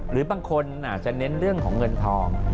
หรือบางคนอาจจะเน้นเรื่องของเงินทอง